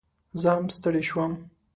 زه هم ستړي شوم